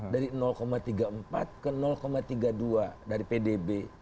dari tiga puluh empat ke tiga puluh dua dari pdb